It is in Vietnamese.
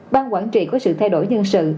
bang quản trị có sự thay đổi nhân sự